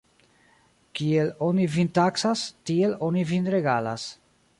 Kiel oni vin taksas, tiel oni vin regalas.